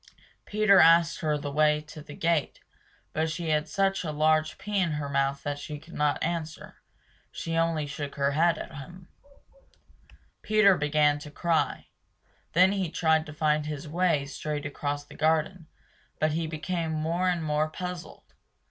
Peter asked her the way to the gate but she had such a large pea in her mouth she could not answer. She only shook her head at him. Peter began to cry. Then he tried to find his way straight across the garden, but he became more and more puzzled.